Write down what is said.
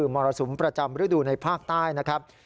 มรสุมประจำฤดูในภาคใต้นะครับ